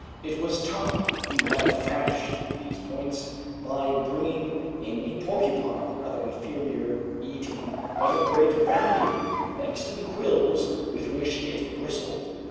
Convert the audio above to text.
It was Top who had furnished these points, by bringing in a porcupine, rather inferior eating, but of great value, thanks to the quills with which it bristled.